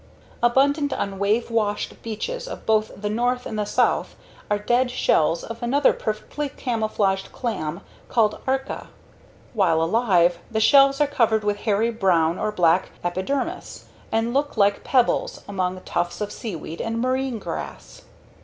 Abundant on wave washed beaches of both the North and the South are dead shells of another perfectly camouflaged clam called ARCA. While alive, the shells are covered with hairy, brown or black epidermis and look like pebbles among tufts of seaweed and marine grass.